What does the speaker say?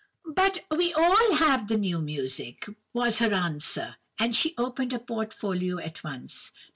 "'But we have all the new music,' was her answer, and she opened a portfolio at once.